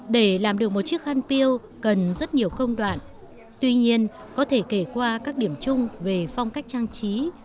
để làm được một chiếc khăn piêu cần rất nhiều công đoạn tuy nhiên có thể kể qua các điểm chung về phong cách trang trí